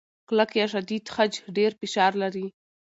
کلک یا شدید خج ډېر فشار لري.